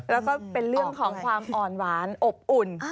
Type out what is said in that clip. แล้วก็เป็นเรื่องของความอ่อนหวานอบอุ่น